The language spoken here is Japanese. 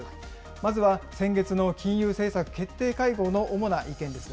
まずは先月の金融政策決定会合の主な意見です。